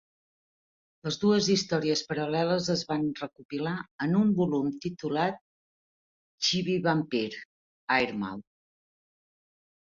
Les dues històries paral·leles es van recopilar en un volum titulat "Chibi Vampire: Airmail".